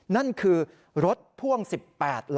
นั่นคือรถพ่วง๑๘ล้อ